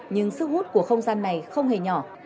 nhưng sức hút của không gian này không hề nhỏ